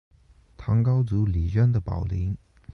唐高祖李渊的宝林。